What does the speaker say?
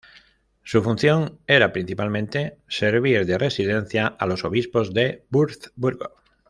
Su función era principalmente servir de residencia a los obispos de Wurzburgo.